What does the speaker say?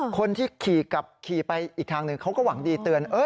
คนที่ขี่ไปอีกทางหนึ่งเขาก็หวังดีเตือน